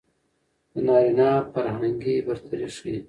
د نارينه فرهنګي برتري ښيي.